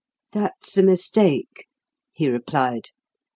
"That's a mistake," he replied.